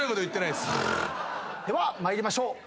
では参りましょう。